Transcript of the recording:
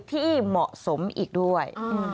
ที่เหมาะสมอีกด้วย